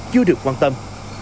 chưa được quan tâm